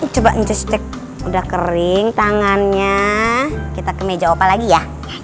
coba intes cek udah kering tangannya kita ke meja opa lagi ya